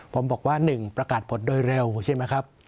ผมบอกว่า๑ประกาศผลโดยเร็วใช่ไหมครับ